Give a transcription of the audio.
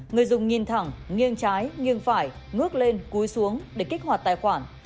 người dùng nhìn thẳng nghiêng trái nghiêng phải ngước lên cúi xuống để kích hoạt tài khoản